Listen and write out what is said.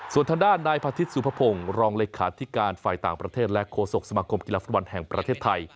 ส่วนทางด้านนายพระอาทิตย์สุภพงศ์รองเลขาธิการฝ่ายต่างประเทศและโฆษกสมาคมกีฬาฟุตบอลแห่งประเทศไทย